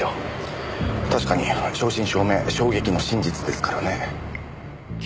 確かに正真正銘衝撃の真実ですからね。